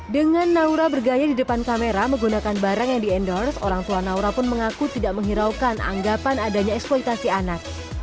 dengan naura bergaya di depan kamera menggunakan barang yang di endorse orang tua naura pun mengaku tidak menghiraukan anggapan adanya eksploitasi anak